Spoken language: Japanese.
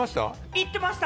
言ってました？